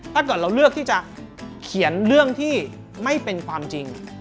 ถ้าเกิดเราเลือกที่จะเขียนเรื่องที่ไม่เป็นความจริง